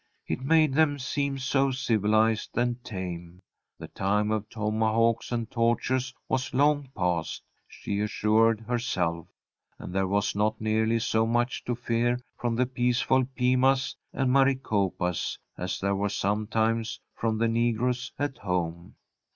It made them seem so civilized and tame. The time of tomahawks and tortures was long past, she assured herself, and there was not nearly so much to fear from the peaceful Pimas and Maricopas as there was sometimes from the negroes at home.